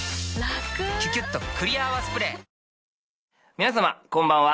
皆さまこんばんは。